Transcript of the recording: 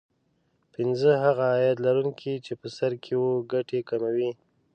پینځه هغه عاید لرونکي چې په سر کې وو ګټې کموي